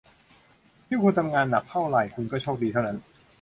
ยิ่งคุณทำงานหนักเท่าไหร่ คุณก็โชคดีเท่านั้น